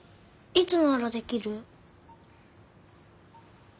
いつならできる？